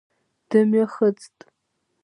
Дымҩахыҵт…